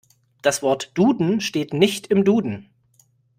Das Wort Duden steht nicht im Duden.